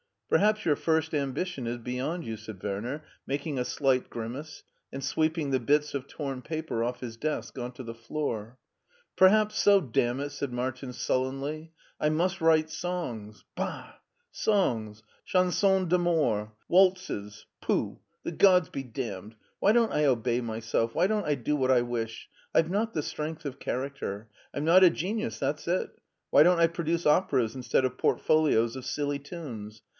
" Perhaps your first ambition is beyond you/* said Werner, making a slight grimace, and sweeping the bits of torn paper off his desk on to the floor. " Perhaps so, damn it !" said Martin sullenly. " I must write songs — ^bah! songs! chansons d'amour! waltzes, pooh! The gods be damned; why don't I obey myself, why don't I do what I wish? I've not the strength of character. I'm not a genius, that's it Why don't I produce operas instead of portfolios of silly tunes?